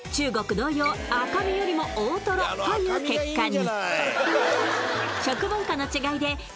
同様、赤身よりも大とろという結果に。